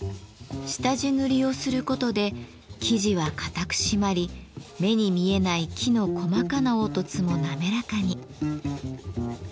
下地塗りをすることで木地は固く締まり目に見えない木の細かな凹凸も滑らかに。